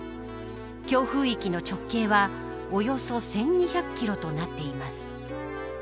強風域の直径はおよそ１２００キロとなっています。